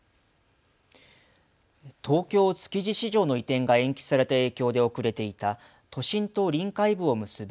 東京築地市場の移転が延期された影響で遅れていた都心と臨海部を結ぶ